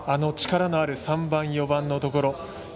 力のある３番、４番のところ。